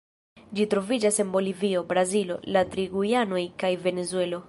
Ĝi troviĝas en Bolivio, Brazilo, la tri Gujanoj kaj Venezuelo.